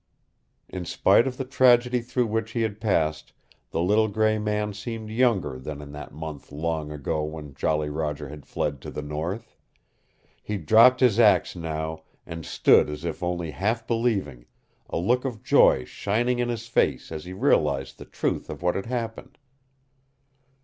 In spite of the tragedy through which he had passed the little gray man seemed younger than in that month long ago when Jolly Roger had fled to the north. He dropped his axe now and stood as if only half believing, a look of joy shining in his face as he realized the truth of what had happened.